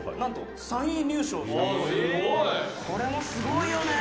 「これもすごいよね！」